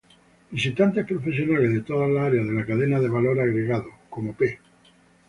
Visitantes profesionales de todas las áreas de la cadena de valor agregado como, p.